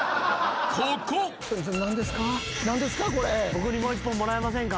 僕にも１本もらえませんか？